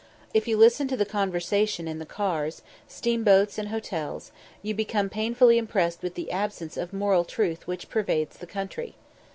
If you listen to the conversation in cars, steamboats, and hotels, you become painfully impressed with the absence of moral truth which pervades the country.